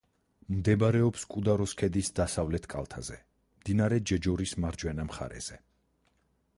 მდებარეობს კუდაროს ქედის დასავლეთ კალთაზე, მდინარე ჯეჯორის მარჯვენა მხარეზე.